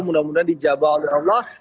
mudah mudahan dijabah oleh allah